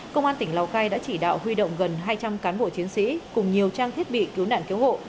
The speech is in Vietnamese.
công an tỉnh lào cai đã chỉ đạo huy động gần hai trăm linh cán bộ chiến sĩ cùng nhiều trang thiết bị cứu nạn cứu hộ